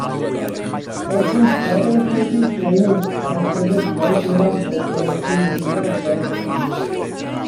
Er gwaethaf yr uchelgeisiau hyn, daeth llenyddiaeth i'r amlwg fel ei phrif ddiddordeb.